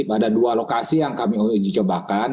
pada dua lokasi yang kami uji cobakan